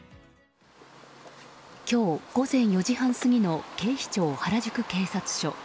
今日午前４時半過ぎの警視庁原宿警察署。